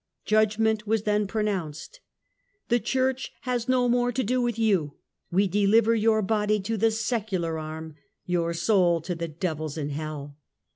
Judg ment was then pronounced :" The Church has no more to do with you. We dehver your body to the secular arm, your soul to the devils in hell."